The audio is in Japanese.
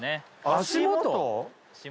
足元？